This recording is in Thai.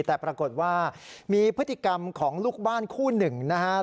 แต่ปรากฏว่ามีพฤติกรรมของลูกบ้านคู่หนึ่งนะครับ